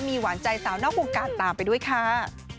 มีหวานใจสาวนอกวงการตามไปด้วยค่ะ